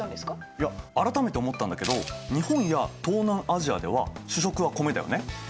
いや改めて思ったんだけど日本や東南アジアでは主食は米だよね。